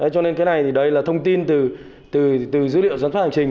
cho nên cái này thì đây là thông tin từ dữ liệu giám sát hành trình